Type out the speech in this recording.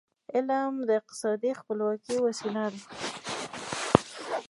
علم د اقتصادي خپلواکی وسیله ده.